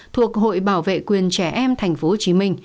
thuộc hội bảo vệ quyền trẻ em tp hcm